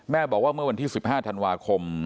บอกว่าเมื่อวันที่๑๕ธันวาคม